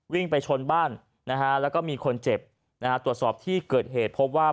วิ่งไปชนบ้านนะฮะแล้วก็มีคนเจ็บนะฮะตรวจสอบที่เกิดเหตุพบว่า